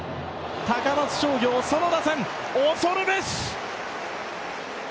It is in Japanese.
高松商業、その打線、恐るべし！